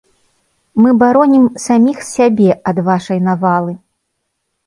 Мы баронім саміх сябе ад вашай навалы.